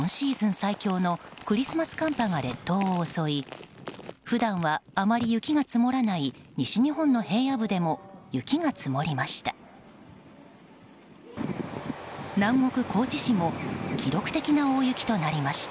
最強のクリスマス寒波が列島を襲い普段はあまり雪が積もらない西日本の平野部でも雪が積もりました。